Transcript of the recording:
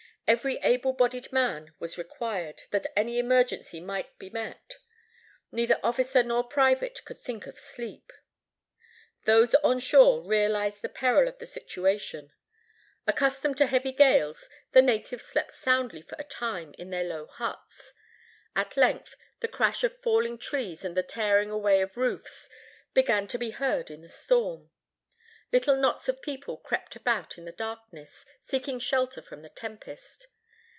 Every able bodied man was required, that any emergency might be met. Neither officer nor private could think of sleep. Those on shore realized the peril of the situation. Accustomed to heavy gales, the natives slept soundly for a time in their low huts. At length, the crash of falling trees and the tearing away of roofs began to be heard in the storm. Little knots of people crept about in the darkness, seeking shelter from the tempest.